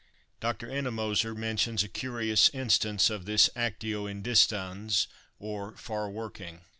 Dr. Ennemoser mentions a curious instance of this actio in distans, or far working.